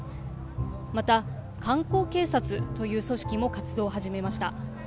また、観光警察という組織も活動を始めました。